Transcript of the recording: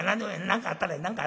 何かあったらええ。